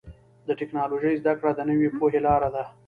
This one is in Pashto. د ټکنالوجۍ زدهکړه د نوې پوهې لاره ده.